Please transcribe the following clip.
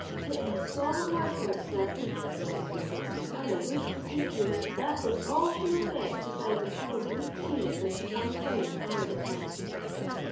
'* Take my solemn word for it, sir," said the sweeper, and I wouldn't deceive you, that is all she will get besides a cup of weak tea when she comes home tired at night."